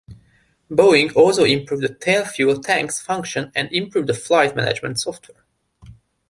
Boeing also improved the tail fuel tank's function and improved the flight management software.